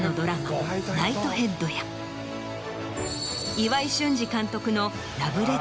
岩井俊二監督の。